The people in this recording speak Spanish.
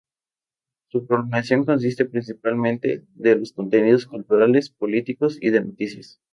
Su programación consiste principalmente de los contenidos culturales, políticos y de noticias.